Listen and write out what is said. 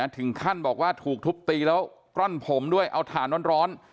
ถึงขั้นบอกว่าถูกทุบตีแล้วกล้อนผมด้วยเอาถ่านร้อน